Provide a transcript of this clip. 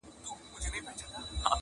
د کتلو د ستایلو نمونه وه!.